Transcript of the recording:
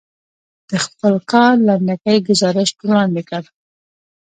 د خپل کار لنډکی ګزارش وړاندې کړ.